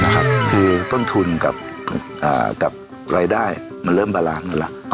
คือต้นทุนกับรายได้มันเริ่มบารานกันแล้ว